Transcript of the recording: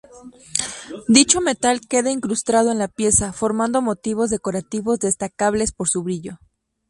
Dicho metal queda incrustado en la pieza, formando motivos decorativos destacables por su brillo.